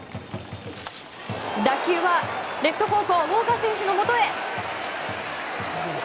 打球はレフト方向ウォーカー選手のもとへ。